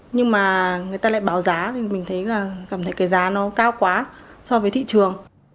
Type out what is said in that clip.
nhưng mà người ta lại báo giá thì mình thấy là cảm thấy cái giá nó cao quá so với thị trường